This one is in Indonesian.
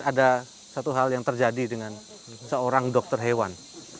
ada satu hal yang terjadi dengan seorang dokter hewan